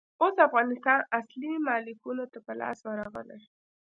اوس افغانستان اصلي مالکينو ته په لاس ورغلئ.